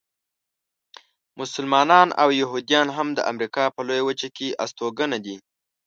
مسلمانان او یهودیان هم د امریکا په لویه وچه کې استوګنه دي.